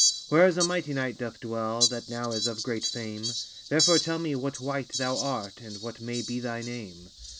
Wheras a mighty knight doth dwell, That now is of great fame: Therefore tell me what wight thou art, And what may be thy name.